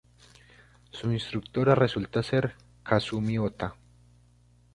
Su instructora resulta ser Kazumi Ota.